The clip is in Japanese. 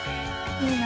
いいな。